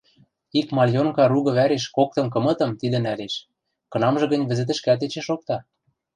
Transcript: Ик мальонка ругы вӓреш коктым-кымытым тидӹ нӓлеш; кынамжы гӹнь вӹзӹтӹшкӓт эче шокта.